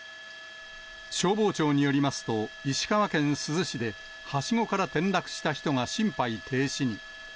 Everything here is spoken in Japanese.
消防庁によりますと、石川県珠洲市で、はしごから転落した人が心肺停止に。